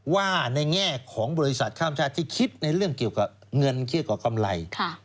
ว่าในแง่ของบริษัทข้ามชาติที่คิดในเรื่องเกี่ยวกับเงินเทียบกับกำไร